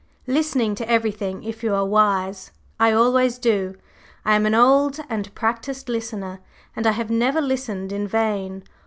Listen to everything if you are wise I always do. I am an old and practised listener. And I have never listened in vain.